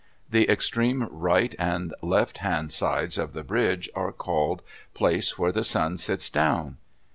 The extreme right and left hand sides of the bridge are called "Place where the Sun sits down."